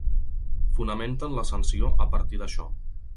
Fonamenten la sanció a partir d’això.